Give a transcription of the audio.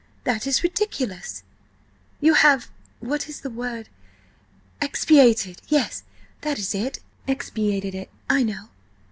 That is ridiculous. You have–what is the word?–expiated! yes, that is it–expiated it, I know."